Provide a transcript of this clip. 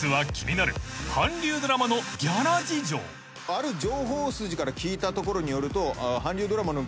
ある情報筋から聞いたところによると韓流ドラマの。